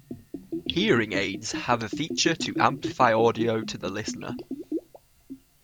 Hearing aids have a feature to amplify audio to the listener.